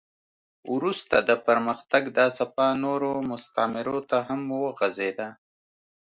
وروسته د پرمختګ دا څپه نورو مستعمرو ته هم وغځېده.